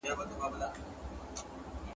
د ريښتيني څېړني لپاره بايد هڅه وسي.